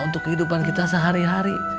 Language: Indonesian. untuk kehidupan kita sehari hari